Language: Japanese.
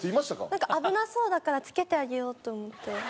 なんか危なそうだから付けてあげようと思って。